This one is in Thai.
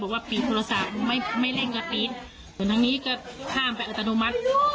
บอกว่าปิดโทรศาสตร์ไม่ไม่เล่นกันปิดเหมือนทางนี้ก็ข้ามไปอัตโนมัติ